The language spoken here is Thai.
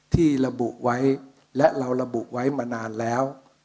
ที่ระบุไว้และเราระบุไว้มานานแล้ว